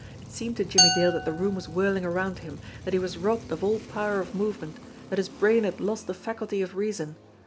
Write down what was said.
It seemed to Jimmie Dale that the room was whirling around him, that he was robbed of all power of movement, that his brain had lost the faculty of reason.